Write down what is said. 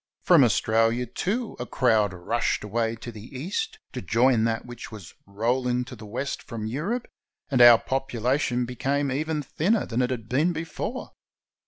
From Australia, too, a crowd rushed away to the east to join that which was rolling to the west from Eu rope, and our population became even thinner than it had been before.